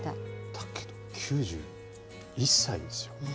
だけど、９１歳ですよ。